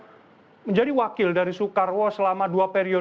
kemudian ada sosok guipul yang menjadi wakil dari soekarwo selama dua periode